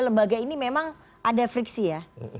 lembaga ini memang ada friksi ya